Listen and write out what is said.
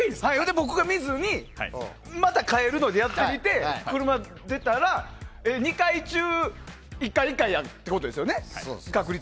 僕が見ずにまた変えるのでやってみて車出たら、２回中１回、１回ということですよね。